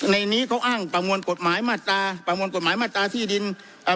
ในนี้เขาอ้างประมวลกฎหมายมาตราประมวลกฎหมายมาตราที่ดินเอ่อ